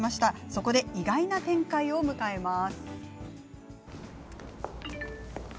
そこで意外な展開を迎えます。